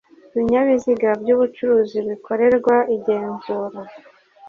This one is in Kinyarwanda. ibinyabiziga by ubucuruzi bikorerwa igenzura